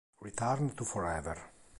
Return to Forever